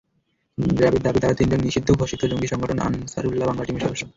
র্যাবের দাবি, তাঁরা তিনজন নিষিদ্ধঘোষিত জঙ্গি সংগঠন আনসারুল্লাহ বাংলা টিমের সদস্য।